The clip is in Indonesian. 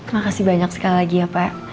makasih banyak sekali lagi ya pak